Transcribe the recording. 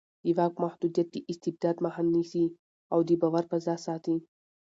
د واک محدودیت د استبداد مخه نیسي او د باور فضا ساتي